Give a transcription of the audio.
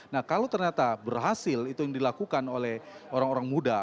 nah kalau ternyata berhasil itu yang dilakukan oleh orang orang muda